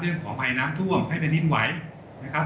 เรื่องของไฟน้ำท่วมให้ไปนิ่นไว้นะครับ